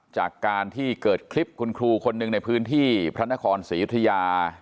จากการที่เกิดคลิปคุณครูคนหนึ่งในพื้นที่พระนครศรียุธยา